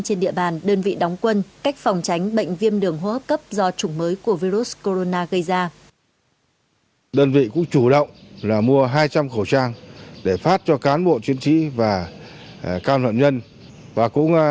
trên địa bàn đơn vị đóng quân cách phòng tránh bệnh viêm đường hô hấp cấp do chủng mới của virus corona gây ra